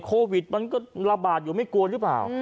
โควิดมันก็ระบาดอยู่ไม่กลัวหรือเปล่า